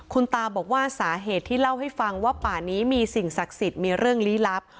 คุณตาบอกว่าสาเหตุที่เล่าให้ฟังว่าป่านี้มีสิ่งศักดิ์สิทธิ์มีเรื่องลี้ลับ